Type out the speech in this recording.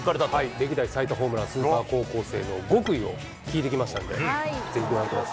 歴代最多ホームラン、スーパー高校生の極意を聞いてきましたんで、ぜひご覧ください。